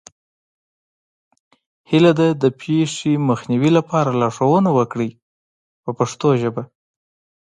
هیله ده د پېښې مخنیوي لپاره لارښوونه وکړئ په پښتو ژبه.